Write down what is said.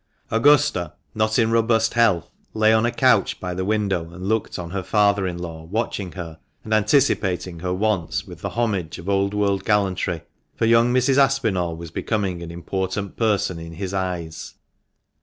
Augusta, not in robust health, lay on a couch by the window and looked on, her father in law watching her and anticipating her wants with the homage of old world gallantry, for young Mrs. Aspinall was becoming an important person in his eyes.